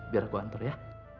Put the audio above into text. biar aku antar ya